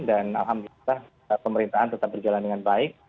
dan alhamdulillah pemerintahan tetap berjalan dengan baik